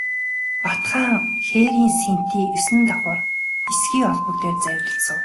Бат хаан хээрийн сэнтий есөн давхар эсгий олбог дээр завилж суув.